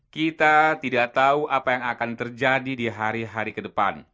kita tidak tahu apa yang akan terjadi di hari hari ke depan